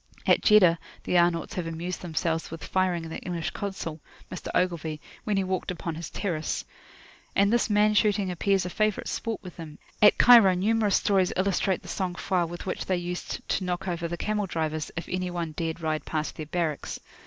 At Jeddah the Arnauts have amused themselves with firing at the English Consul, Mr. Ogilvie, when he walked upon his terrace. And this man shooting appears a favourite sport with them: at Cairo numerous stories illustrate the sang froid with which they used to knock over the camel drivers, if any one dared to ride past their barracks.